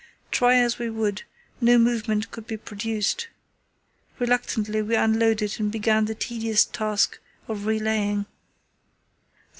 Try as we would, no movement could be produced. Reluctantly we unloaded and began the tedious task of relaying.